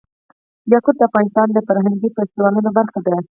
یاقوت د افغانستان د فرهنګي فستیوالونو برخه ده.